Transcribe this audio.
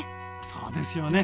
そうですよね。